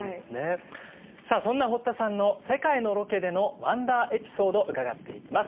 さあそんな堀田さんの世界のロケでのワンダーエピソード伺っていきます。